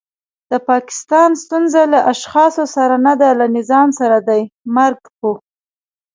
د پاکستان ستونزه له اشخاصو سره نده له نظام سره دی. مرګ په